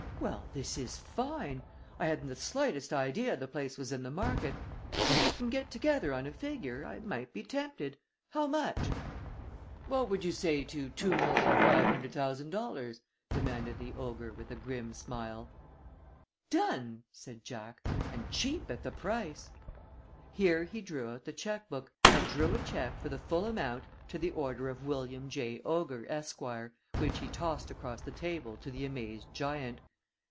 "Well, this is fine. I hadn't the slightest idea the place was in the market, but if we can get together on a figure, I might be tempted. How much?" "What would you say to $2,500,000?" demanded the ogre, with a grim smile. "Done!" said Jack. "And cheap at the price." Here he drew out the check book, and drew a check for the full amount to the order of William J. Ogre, Esq., which he tossed across the table to the amazed giant.